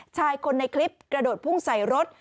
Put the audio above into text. ชายคนในคลิปกระโดดพุ่งใส่รถ